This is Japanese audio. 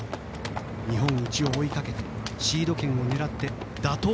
日本一を追いかけてシード権を狙って打倒